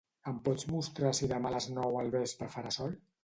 Em pots mostrar si demà a les nou al vespre farà sol?